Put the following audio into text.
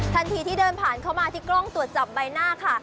ทันทีที่เดินผ่านเข้ามาที่กล้องตรวจจับใบหน้าค่ะ